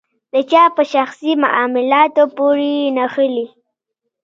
د چا په شخصي معاملاتو پورې نښلي.